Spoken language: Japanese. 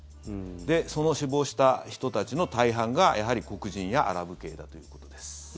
その死亡した人たちの大半がやはり黒人やアラブ系だということです。